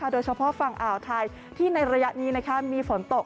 โดยเฉพาะฝั่งอ่าวไทยที่ในระยะนี้มีฝนตก